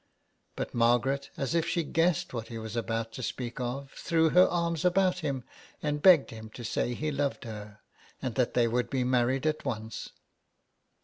But Margaret, as if she guessed what he was about to speak of, threw her arms about him and begged him to say he loved her, and that they would be married at once.